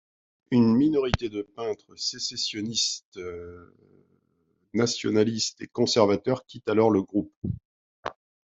Une minorité de peintres sécessionnistes nationalistes et conservateurs quitte alors le groupe.